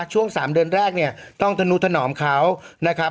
ช่วง๓เดือนแรกเนี่ยต้องธนุถนอมเขานะครับ